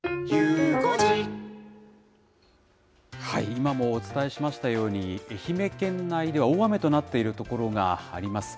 今もお伝えしましたように、愛媛県内では大雨になっている所があります。